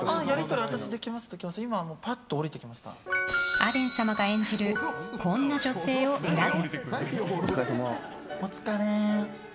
アレン様が演じるこんな女性を選べ！